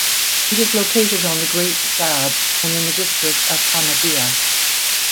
It is located on the Great Zab and in the district of Amadiya.